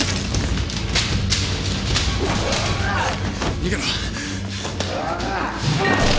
逃げろ。